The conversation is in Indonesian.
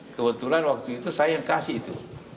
kebetulan waktu itu saya yang kasih itu